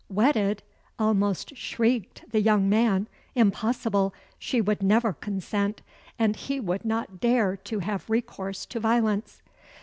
"Wedded!" almost shrieked the young man. "Impossible! she would never consent and he would not dare have recourse to violence."